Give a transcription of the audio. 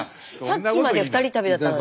さっきまでは２人旅だったのに。